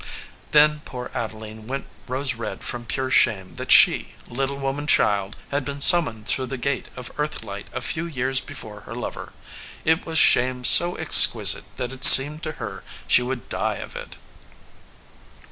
Then poor Adeline went rose red from pure shame that she, little woman child, had been sum moned through the gate of earth life a few years before her lover. It was shame so exquisite that it seemed to her she would die of it.